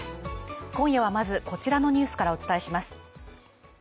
今夜はまず、こちらのニュースからお伝えします。